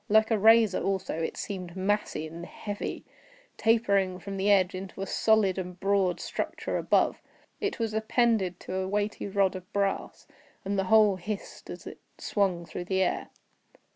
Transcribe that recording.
Like a razor also, it seemed massy and heavy, tapering from the edge into a solid and broad structure above. It was appended to a weighty rod of brass, and the whole hissed as it swung through the air.